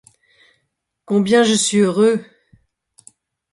Combien je suis heureux!